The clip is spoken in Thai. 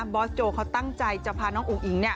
อสโจเขาตั้งใจจะพาน้องอุ๋งอิ๋ง